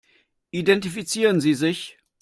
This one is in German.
Identifizieren Sie sich.